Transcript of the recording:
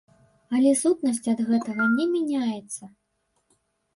Але сутнасць ад гэтага не мяняецца.